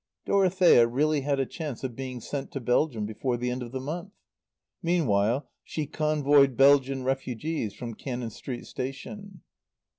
Dorothea really had a chance of being sent to Belgium before the end of the month. Meanwhile she convoyed Belgian refugees from Cannon Street Station.